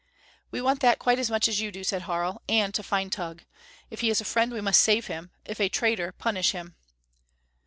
"We want that quite as much as you do," said Harl. "And to find Tugh. If he is a friend we must save him; if a traitor punish him."